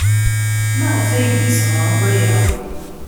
Maɣef ay d-yesɣa akk aya?